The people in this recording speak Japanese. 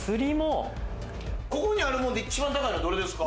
ここにあるもので一番高いのは何ですか？